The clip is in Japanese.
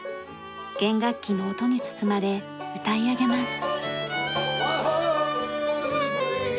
弦楽器の音に包まれ歌い上げます。